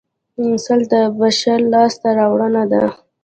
سل د بشر لاسته راوړنه ده